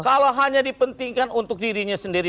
kalau hanya dipentingkan untuk dirinya sendiri